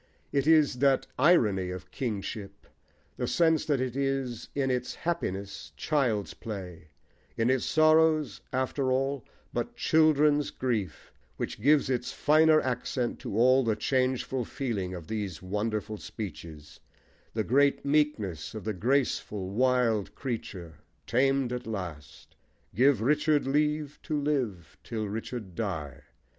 It is that irony of kingship, the sense that it is in its happiness child's play, in its sorrows, after all, but children's grief, which gives its finer accent to all the changeful feeling of these wonderful speeches: the great meekness of the graceful, wild creature, tamed at last. Give Richard leave to live till Richard die!